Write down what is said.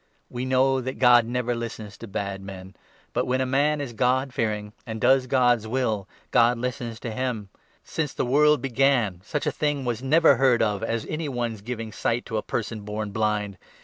We know that God never listens to bad men, but, when a man 31 is god fearing and does God's will, God listens to him. Since 32 the world began, such a thing was never heard of as any one's giving sight to a person born blind.